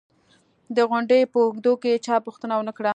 د غونډې په اوږدو کې چا پوښتنه و نه کړه